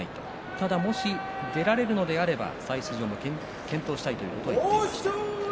ただもし出られるのであれば再出場も検討したいということを言っていました。